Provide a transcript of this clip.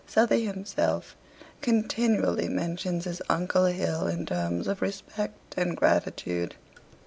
Southey himself continually mentions his uncle Hill in terms of respect and gratitude.